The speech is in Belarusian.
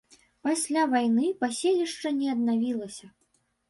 Пасля вайны паселішча не аднавілася.